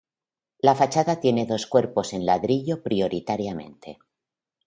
La fachada tiene dos cuerpos en ladrillo prioritariamente.